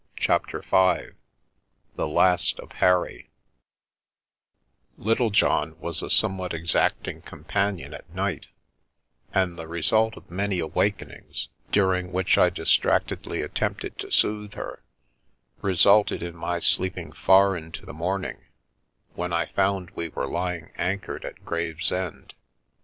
CHAPTER V THE LAST OF HARRY LITTLEJOHN was a somewhat exacting companion at night; and the result of many awakenings, dur ing which I distractedly attempted to soothe her, resulted in my sleeping far into the morning, when I found we were lying anchored at Gravesend.